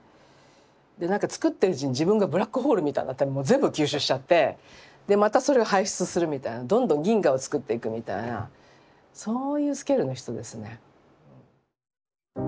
でなんかつくってるうちに自分がブラックホールみたいになってもう全部吸収しちゃってまたそれを排出するみたいなどんどん銀河をつくっていくみたいなそういうスケールの人ですね。